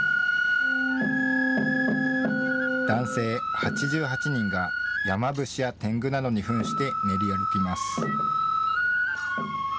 男性８８人が山伏やてんぐなどにふんして練り歩きます。